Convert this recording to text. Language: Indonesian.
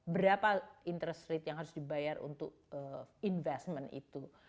berapa interest rate yang harus dibayar untuk investment itu